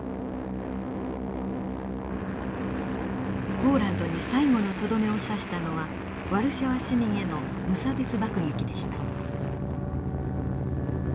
ポーランドに最後のとどめを刺したのはワルシャワ市民への無差別爆撃でした。